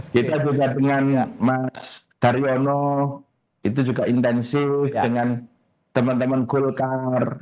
kita juga dengan mas daryono itu juga intensif dengan teman teman golkar